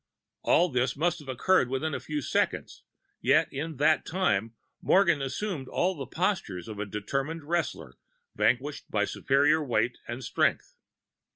"All this must have occurred within a few seconds, yet in that time Morgan assumed all the postures of a determined wrestler vanquished by superior weight and strength.